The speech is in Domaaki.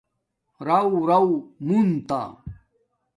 رَݸرݸ منتا